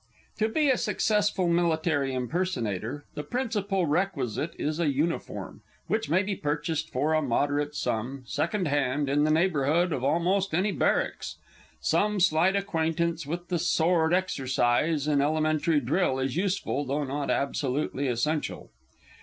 To be a successful Military Impersonator, the principal requisite is a uniform, which may be purchased for a moderate sum, second hand, in the neighbourhood of almost any barracks. Some slight acquaintance with the sword exercise and elementary drill is useful, though not absolutely essential.